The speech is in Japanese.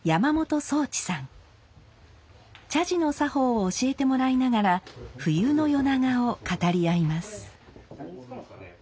茶事の作法を教えてもらいながら冬の夜長を語り合います。